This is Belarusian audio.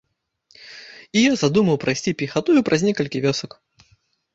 І я задумаў прайсці пехатой праз некалькі вёсак.